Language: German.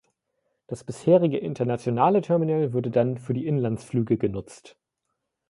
Das bisherige internationale Terminal würde dann für die Inlandsflüge genutzt.